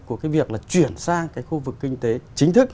của cái việc là chuyển sang cái khu vực kinh tế chính thức